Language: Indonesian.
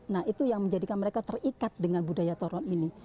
nah itu yang menjadikan mereka terikat dengan budaya toron ini